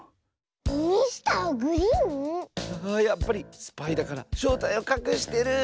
やっぱりスパイだからしょうたいをかくしてる！